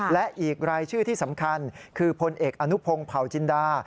และอีกรายชื่อที่สำคัญคือพลเอกอนุพงศ์เผาจินดา